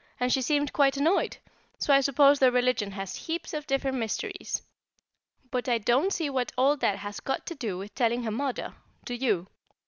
and she seemed quite annoyed, so I suppose their religion has heaps of different mysteries; but I don't see what all that has got to do with telling her mother, do you?